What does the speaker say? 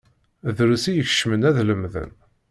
Drus i ikeččmen ad lemden.